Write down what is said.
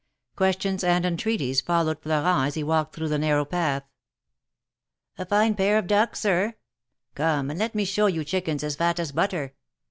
Questions and entreaties followed Florent as he walked through the narrow path. ^^A fine pair of ducks, sir ? Come, and let me show you chickens as fat as butter.